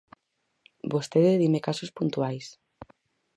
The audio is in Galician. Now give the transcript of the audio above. Vostede dime casos puntuais.